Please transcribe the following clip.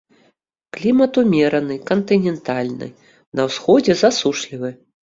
Клімат умераны, кантынентальны, на ўсходзе засушлівы.